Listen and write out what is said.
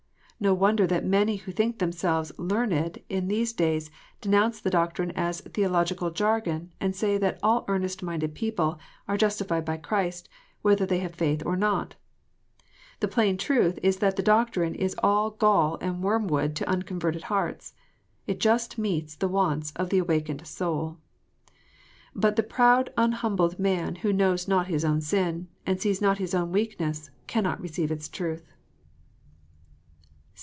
No wonder that many who think themselves learned in these days denounce the doctrine as theological jargon, and say that all " earnest minded people " are justified by Christ, whether they have faith or not ! The plain truth is that the doctrine is all gall and wormwood to unconverted hearts. It just meets the wants of the awakened soul. But the proud unhumbled man who knows not his own sin, and sees not his own weakness, cannot receive its truth.